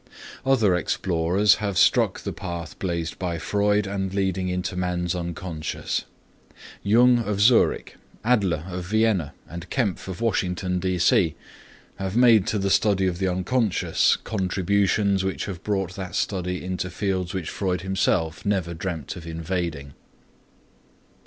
Other explorers have struck the path blazed by Freud and leading into man's unconscious. Jung of Zurich, Adler of Vienna and Kempf of Washington, D.C., have made to the study of the unconscious, contributions which have brought that study into fields which Freud himself never dreamt of invading.